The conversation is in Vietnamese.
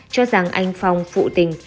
cho rằng anh phong phụ tình